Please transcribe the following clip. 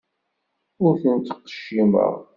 Ur ten-ttqeccimeɣ.